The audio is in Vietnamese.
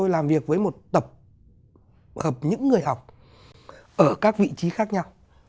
làm việc với một tập hợp những người học ở các vị trí khác nhau